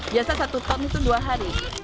biasa satu ton itu dua hari